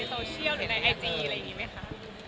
โซเชียลหรือในไอจีอะไรอย่างนี้ไหมคะ